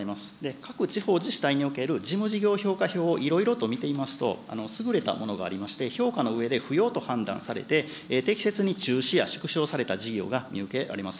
各地方自治体における事務事業評価票をいろいろと見てみますと、優れたものがありまして、評価のうえで不要と判断されて、適切に中止や縮小された事業が見受けられます。